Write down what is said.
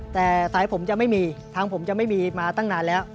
แต่สายผมจะไม่มีทางผมจะไม่มีมาตั้งนานแล้ว